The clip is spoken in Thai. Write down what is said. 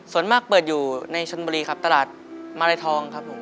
ส่วนมากเปิดอยู่ในชนบุรีครับตลาดมาลัยทองครับผม